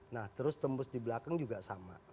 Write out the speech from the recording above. nah terus tembus di belakang juga sama